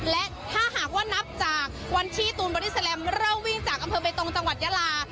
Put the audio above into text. และถ้าหากว่านับจากวันที่ตูนบอดี้แลมเริ่มวิ่งจากอำเภอเบตรงจังหวัดยาลา